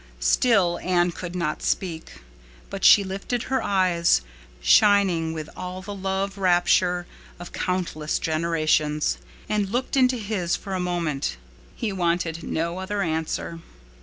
Still Anne could not speak. But she lifted her eyes, shining with all the love rapture of countless generations, and looked into his for a moment. He wanted no other answer.